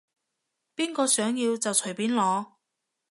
邊個想要就隨便攞